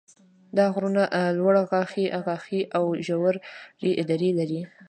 دا غرونه لوړ غاښي غاښي او ژورې درې لري.